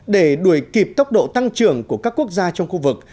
để đuổi kịp tốc độ tăng trưởng của các quốc gia trong khu vực